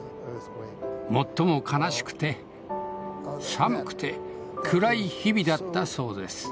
最も悲しくて寒くて暗い日々だったそうです。